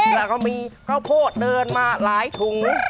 แล้วก็มีข้าวโพดเดินมาหลายถุง